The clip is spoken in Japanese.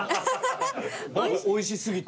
おいし過ぎて。